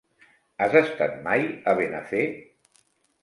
Has estat mai a Benafer?